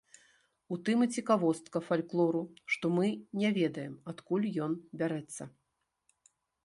У тым і цікавостка фальклору, што мы не ведаем, адкуль ён бярэцца.